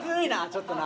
ちょっとな。